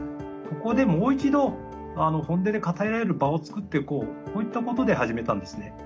ここでもう一度本音で語り合える場を作ってこうこういったことで始めたんですね。